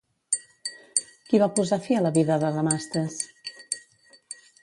Qui va posar fi a la vida de Damastes?